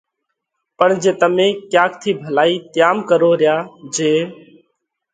پڻ جي تمي ڪياڪ ٿِي ڀلائِي تيام ڪروه ريا جي